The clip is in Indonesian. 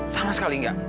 sama sekali enggak